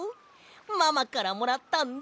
ママからもらったんだ！